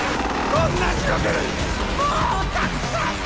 こんな地獄もうたくさんだ！